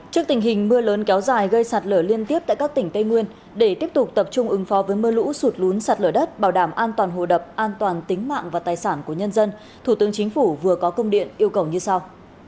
trước tình hình mưa lớn kéo dài gây sạt lở liên tiếp tại các tỉnh tây nguyên để tiếp tục tập trung ứng phó với mưa lũ sụt lún sạt lở đất bảo đảm an toàn hồ đập an toàn tính mạng và tài sản của nhân dân thủ tướng chính phủ vừa có công điện yêu cầu như sau